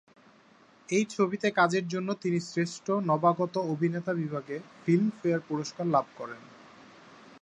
এই ছবিতে কাজের জন্য তিনি শ্রেষ্ঠ নবাগত অভিনেতা বিভাগে ফিল্মফেয়ার পুরস্কার লাভ করেন।